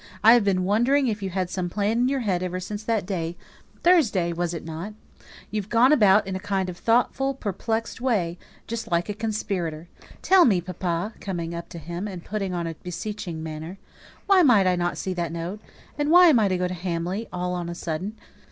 I have been wondering if you had some plan in your head ever since that day. Thursday, wasn't it? You've gone about in a kind of thoughtful, perplexed way, just like a conspirator. Tell me, papa" coming up to him, and putting on a beseeching manner "why mightn't I see that note? and why am I to go to Hamley all on a sudden?"